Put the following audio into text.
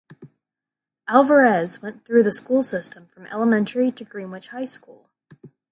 Alvarez went through the school system from elementary to Greenwich High School.